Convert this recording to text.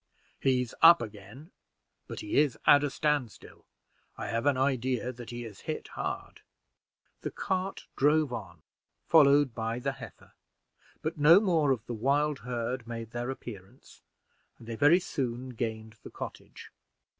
He's up again, but he is at a stand still. I have an idea that he is hit hard." The cart drove on, followed by the heifer, but no more of the wild herd made their appearance, and they very soon gained the cottage.